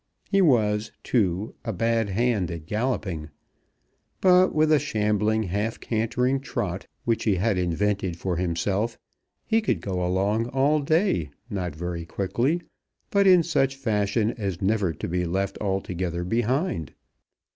He was, too, a bad hand at galloping, but with a shambling, half cantering trot, which he had invented for himself, he could go along all day, not very quickly, but in such fashion as never to be left altogether behind.